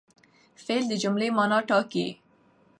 فعل د جملې مانا ټاکي.